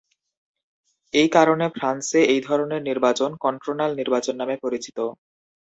এই কারণে, ফ্রান্সে এই ধরনের নির্বাচন "কন্ট্রোনাল নির্বাচন" নামে পরিচিত।